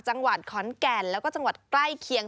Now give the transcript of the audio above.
จังหวัดขอนแก่นแล้วก็จังหวัดใกล้เคียง